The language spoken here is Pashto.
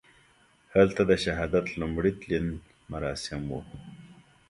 هلته د شهادت لومړي تلین مراسم وو.